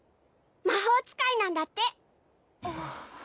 魔法使いなんだって